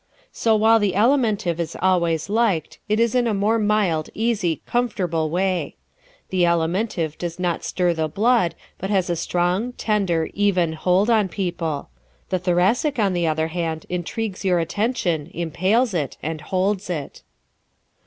So while the Alimentive is always liked, it is in a more mild, easy, comfortable way. The Alimentive does not stir the blood but has a strong, tender, even hold on people. The Thoracic, on the other hand, intrigues your attention, impales it, and holds it.